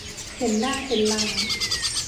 เห็นหน้าเห็นหลัง